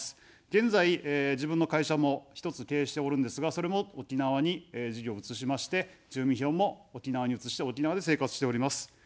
現在、自分の会社も１つ経営しておるんですが、それも沖縄に事業を移しまして、住民票も沖縄に移して、沖縄で生活しております。